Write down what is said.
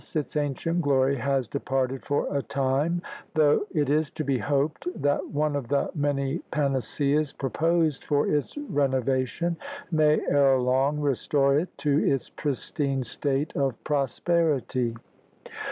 its ancient glory has departed for a time, though it is to be hoped that one of the many panaceas proposed for its renovation may, ere long, restore it to its pristine state of prosperity.